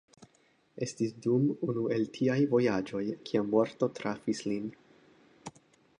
Estis dum unu el tiaj vojaĝoj kiam morto trafis lin.